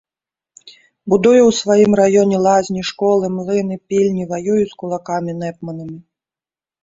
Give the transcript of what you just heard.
Будую ў сваім раёне лазні, школы, млыны, пільні, ваюю з кулакамі, нэпманамі.